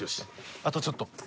あとちょっと。